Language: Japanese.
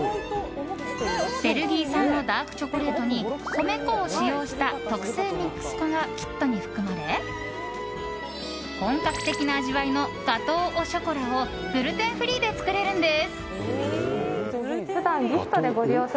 ベルギー産のダークチョコレートに米粉を使用した特製ミックス粉がキットに含まれ本格的な味わいのガトーオショコラをグルテンフリーで作れるんです。